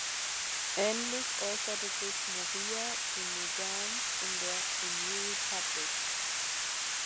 Ähnlich äußerte sich Moira Donegan in der "The New Republic".